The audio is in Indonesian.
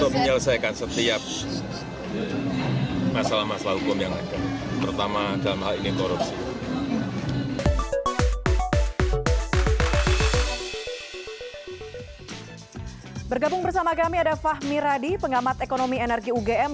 bergabung bersama kami ada fahmi radi pengamat ekonomi energi ugm